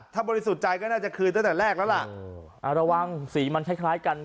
ถ้าบริสุทธิ์ใจก็น่าจะคืนตั้งแต่แรกแล้วล่ะระวังสีมันคล้ายคล้ายกัน